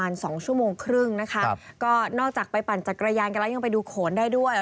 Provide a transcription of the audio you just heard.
นอกจากไปปั่นจักรยานก็ยังไปดูโขนได้ด้วย